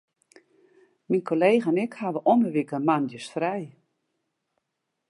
Myn kollega en ik hawwe om 'e wike moandeis frij.